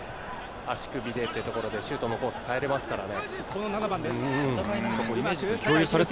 足首でってところでシュートのコースを変えられますからね。